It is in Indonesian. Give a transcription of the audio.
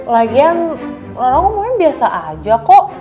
lagian rara ngomongnya biasa aja kok